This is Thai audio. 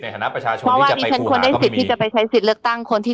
ในคณะประชาชนควรได้สิทธิ์ที่จะไปใช้สิทธิ์เลือกตั้งคนที่